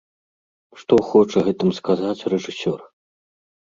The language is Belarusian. Што хоча гэтым сказаць рэжысёр?